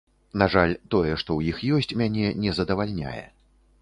На жаль, тое, што ў іх ёсць, мяне не задавальняе.